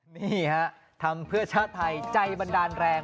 นี่ฮะทำเพื่อชาติไทยใจบันดาลแรง